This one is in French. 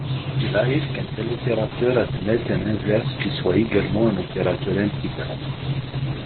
Il arrive qu'un tel opérateur admette un inverse qui soit également un opérateur intégral.